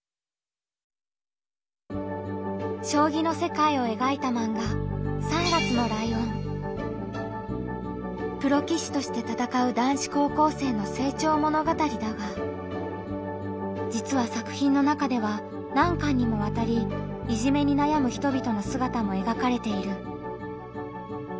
将棋の世界をえがいたマンガプロ棋士として戦う男子高校生の成長物語だがじつは作品の中では何巻にもわたりいじめに悩む人々のすがたもえがかれている。